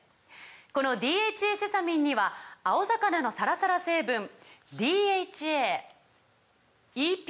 この「ＤＨＡセサミン」には青魚のサラサラ成分ＤＨＡＥＰＡ